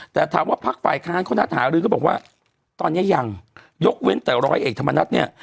แต่ถามว่าพักฝ่ายค้านเขานัดหารือก็บอกว่าตอนนี้ยังยกเว้นแต่ร้อยเอกธรรมนัฐเนี่ย